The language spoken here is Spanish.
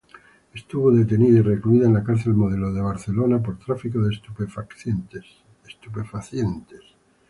Estuvo detenida y recluida en la Cárcel Modelo de Barcelona por tráfico de estupefacientes.